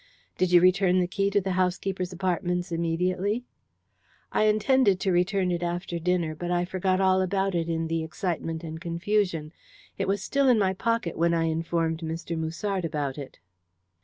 "Did you return the key to the housekeeper's apartments immediately?" "I intended to return it after dinner, but I forgot all about it in the excitement and confusion. It was still in my pocket when I informed Mr. Musard about it."